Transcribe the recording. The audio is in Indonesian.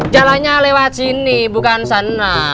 jalannya lewat sini bukan sana